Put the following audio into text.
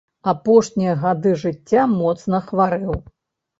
Апошнія гады жыцця моцна хварэў.